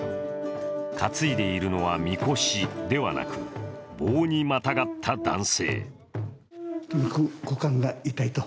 担いでいるのは、みこしではなく棒にまたがった男性。